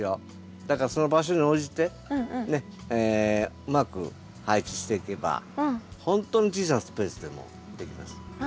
だからその場所に応じてうまく配置していけばほんとに小さなスペースでもできます。